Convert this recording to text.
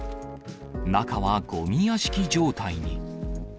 中はごみ屋敷状態に。